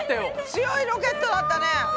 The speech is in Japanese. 強いロケットだったね。